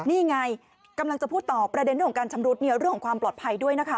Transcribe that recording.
นี่ไงกำลังจะพูดต่อประเด็นเรื่องของการชำรุดเนี่ยเรื่องของความปลอดภัยด้วยนะคะ